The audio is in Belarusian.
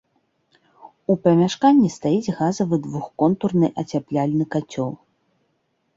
У памяшканні стаіць газавы двухконтурны ацяпляльны кацёл.